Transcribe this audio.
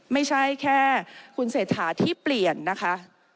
ไม่ใช่แค่คุณเศรษฐาที่เปลี่ยนนะคะ